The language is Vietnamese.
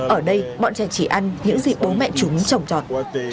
ở đây bọn trẻ chỉ ăn những gì bố mẹ chúng trồng tròn